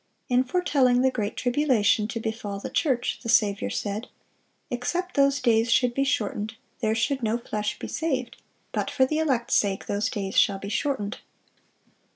In foretelling the "great tribulation" to befall the church, the Saviour said, "Except those days should be shortened, there should no flesh be saved: but for the elect's sake those days shall be shortened."